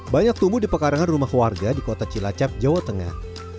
banyak tumbuh di pekarangan rumah warga di kota cilacap jawa tengah